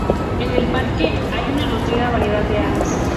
En el parque hay una nutrida variedad de aves.